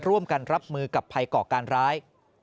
ร่วมกันรับมือกับภัยก่อการร้าย